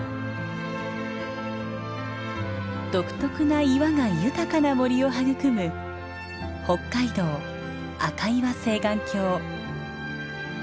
独特な岩が豊かな森を育む北海道赤岩青巌峡。